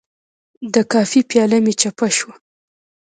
د کافي پیاله مې چپه شوه.